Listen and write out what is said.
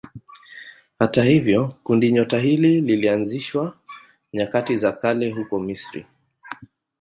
Hata hivyo kundinyota hili lilianzishwa nyakati za kale huko Misri.